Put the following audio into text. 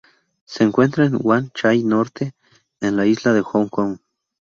Se encuentra en Wan Chai Norte, en la isla de Hong Kong.